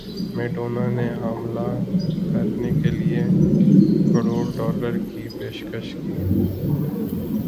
Madonna نے حاملہ کرنے کیلئے کروڑ ڈالر کی پیشکش کی